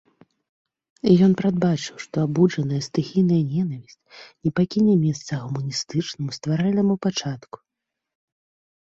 Ён прадбачыў, што абуджаная стыхійная нянавісць не пакіне месца гуманістычнаму, стваральнаму пачатку.